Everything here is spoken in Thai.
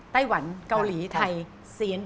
ไต้หวันเกาหลีไทย